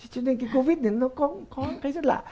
cho nên cái covid này nó có cái rất lạ